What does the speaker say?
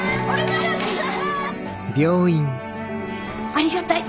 ありがたい！